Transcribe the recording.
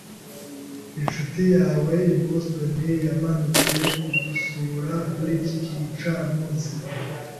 Inshuti yawe i Boston yamanutse kudusura kuri iki gicamunsi.